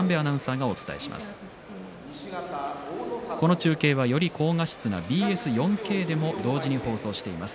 この中継は、より高画質なＢＳ４Ｋでも同時に放送しています。